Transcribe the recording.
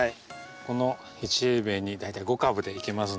この１平米に大体５株でいけますんで。